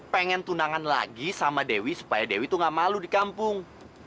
pengen tunangan lagi sama dewi supaya dewi itu gak malu di kampung